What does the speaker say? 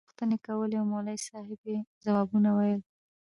هغوى پوښتنې کولې او مولوي صاحب يې ځوابونه ويل.